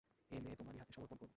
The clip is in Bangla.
ও মেয়ে তোমারই হাতে সমর্পণ করব।